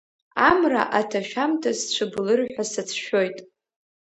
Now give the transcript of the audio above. Амра аҭашәамҭа сцәыблырҳәа сацәшәоит.